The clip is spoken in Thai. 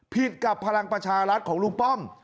กับพลังประชารัฐของลุงป้อม